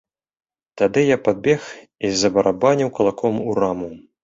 Тады я падбег і забарабаніў кулаком у раму.